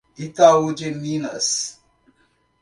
Itaú de Minas